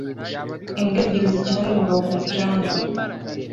Imbwa ebyiri zikina numugabo ku mucanga